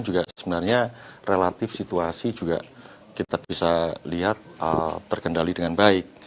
juga sebenarnya relatif situasi juga kita bisa lihat terkendali dengan baik